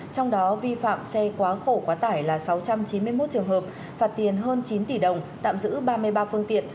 trong đó vi phạm xe quá khổ quá tải là sáu trăm chín mươi một trường hợp phạt tiền hơn chín tỷ đồng tạm giữ ba mươi ba phương tiện